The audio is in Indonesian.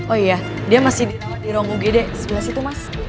oh iya dia masih di rawat di ruang ugd sebelah situ mas